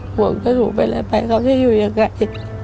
ห่วงจะถูกไปและไปเขาจะอยู่อย่างไง